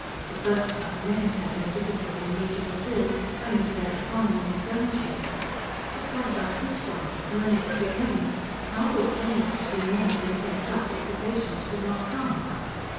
The first time, they had had no difficulty in meeting the bill, owing to their economy in furnishing. But what about this one, and the next again? How were payments to be made, and kept up, if the patients would not come?